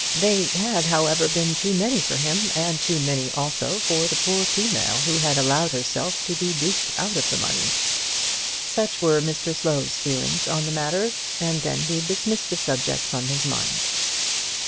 They had, however, been too many for him and too many also for the poor female who had allowed herself to be duped out of her money. Such were Mr Slow's feelings on the matter, and then he dismissed the subject from his mind.